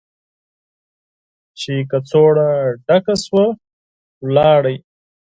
چې کڅوړه ډکه شوه، لاړ.